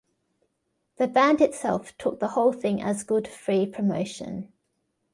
The band itself took the whole thing as good free promotion.